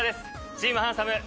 チーム・ハンサム！